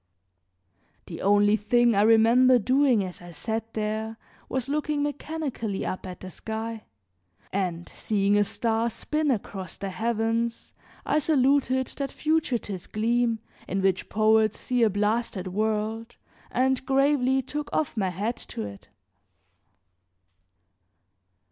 The only thing I remember doing as I sat there, was looking mechanically up at the sky, and, seeing a star spin across the heavens, I saluted that fugitive gleam in which poets see a blasted world and gravely took off my hat to it.